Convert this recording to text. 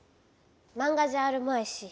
マンガじゃあるまいし。